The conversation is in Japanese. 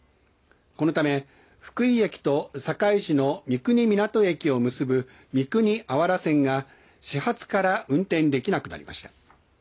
このため福井駅と坂井市の三国港駅を結ぶ三国芦原線が始発から運転できなくなりました。